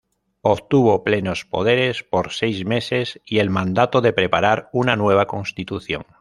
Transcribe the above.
Obtuvo plenos poderes por seis meses y el mandato de preparar una nueva constitución.